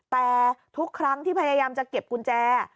แต่ทุกครั้งที่พยายามจะเก็บกุญแจ